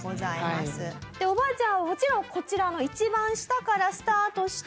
でおばあちゃんはもちろんこちらの一番下からスタートして。